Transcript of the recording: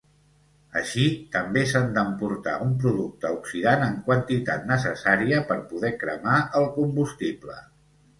Així, també s'han d'emportar un producte oxidant en quantitat necessària per poder cremar el combustible.